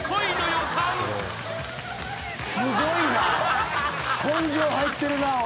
すごいな。